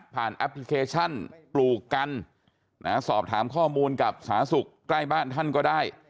แอปพลิเคชันปลูกกันสอบถามข้อมูลกับสาธารณสุขใกล้บ้านท่านก็ได้